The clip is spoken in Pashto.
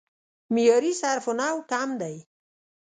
معیاري صرف او نحو کم دی